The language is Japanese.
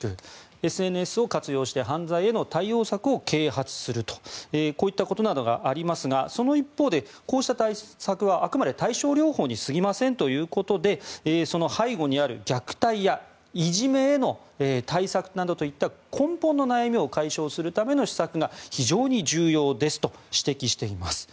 ＳＮＳを活用して犯罪への対応策を啓発するとこういったことなどがありますがその一方でこうした対策はあくまで対症療法に過ぎませんということでその背後にある虐待やいじめへの対策などといった根本の悩みを解消するための施策が非常に重要ですと指摘しています。